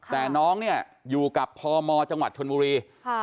แต่น้องเนี่ยอยู่กับพมจังหวัดชนบุรี